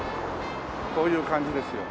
こういう感じですよ。